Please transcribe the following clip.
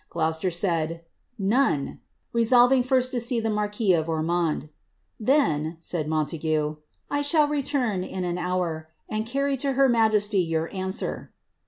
Gloucester said, ^'None :'" resolving first to see the marquis of Ormonde. ^^ Then," said Montague, I shall return in an hour, and carry to her majesty your Utfwer.